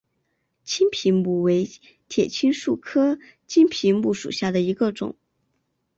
青皮木为铁青树科青皮木属下的一个种。